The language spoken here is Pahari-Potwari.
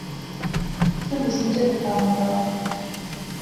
اس ناں جسم جثہ تتا ہونے لاغآ